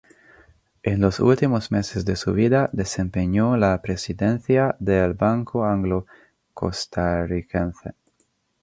En los últimos meses de su vida desempeñó la presidencia del Banco Anglo Costarricense.